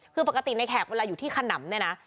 คือปกติในแขกเวลาอยู่ที่ขนำเนี่ยนะ